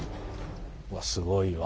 すごいわ。